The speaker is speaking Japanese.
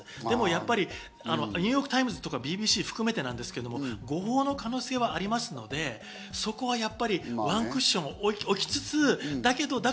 でもやっぱりニューヨーク・タイムズとかＢＢＣ含めてなんですけど、誤報の可能性はありますので、そこはやっぱりワンクッション起きつつ、だけど、